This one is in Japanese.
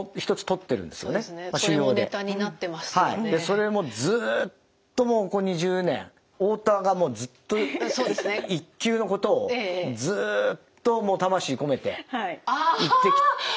それもずっともうここ２０年太田がもうずっと「一球」のことをずっともう魂込めて言ってきたので。